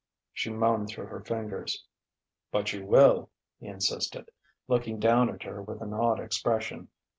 she moaned through her fingers. "But you will," he insisted, looking down at her with an odd expression.